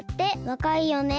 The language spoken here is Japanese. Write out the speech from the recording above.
わかいよね。